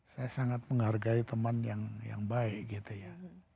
saya sangat menghargai teman yang baik gitu ya